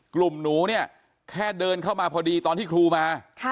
หนูเนี่ยแค่เดินเข้ามาพอดีตอนที่ครูมา